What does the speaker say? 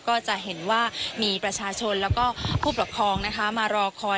ก็จะเห็นว่ามีประชาชนแล้วก็ผู้ปกครองนะคะมารอคอย